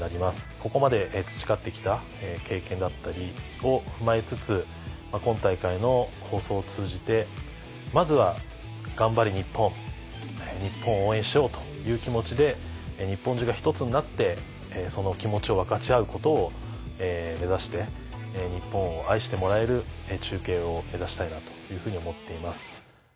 ここまで培ってきた経験だったりを踏まえつつ今大会の放送を通じてまずは「頑張れ日本」日本を応援しようという気持ちで日本中が一つになってその気持ちを分かち合うことを目指して日本を愛してもらえる中継を目指したいなというふうに思っています。